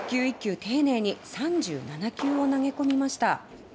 丁寧に３７球を投げ込みました。